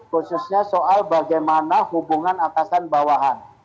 khususnya soal bagaimana hubungan atasan bawahan